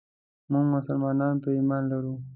موږ مسلمانان پرې ايمان لرو.